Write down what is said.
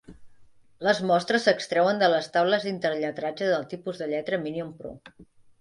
Les mostres s'extreuen de les taules d'interlletrage del tipus de lletra Minion Pro.